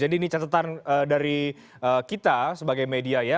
jadi ini catatan dari kita sebagai media ya